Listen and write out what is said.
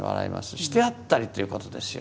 してやったりということですよ。